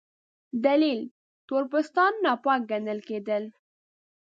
دلیل: تور پوستان ناپاک ګڼل کېدل.